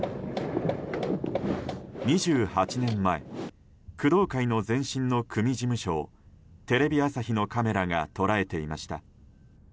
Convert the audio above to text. ２８年前工藤会の前身の組事務所をテレビ朝日のカメラが捉えていました。